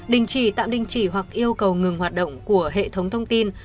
đình chỉ tạm đình chỉ hoặc yêu cầu ngừng hoạt động của hệ thống thông tin